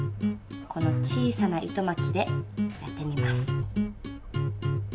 この小さな糸まきでやってみます。